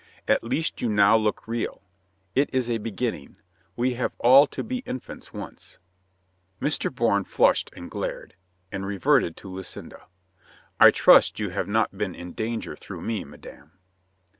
"At least you now look real. It is a beginning. We have all to be in fants once." Mr. Bourne flushed and glared — and reverted to Lucinda, "I trust you have not been in danger through me, madame?"